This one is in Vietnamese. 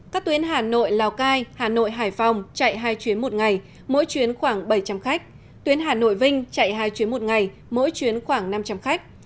các tuyến hà nội lào cai hà nội hải phòng chạy hai chuyến một ngày mỗi chuyến khoảng bảy trăm linh khách tuyến hà nội vinh chạy hai chuyến một ngày mỗi chuyến khoảng năm trăm linh khách